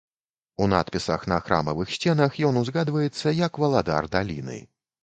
У надпісах на храмавых сценах ён узгадваецца як валадар даліны.